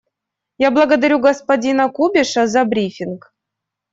Я благодарю господина Кубиша за брифинг.